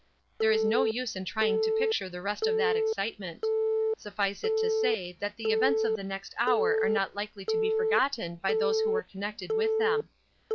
There is no use in trying to picture the rest of that excitement. Suffice it to say that the events of the next hour are not likely to be forgotten by those who were connected with them.